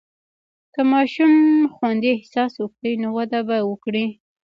که ماشوم خوندي احساس وکړي، نو وده به وکړي.